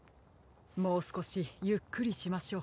もうすこしゆっくりしましょう。